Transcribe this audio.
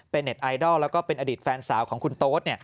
เป็นเน็ตไอดอลแล้วก็เป็นอดีตแฟนสาวของคุณโต๊ด